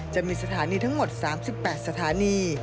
จะมีสถานีทั้งหมด๓๘สถานี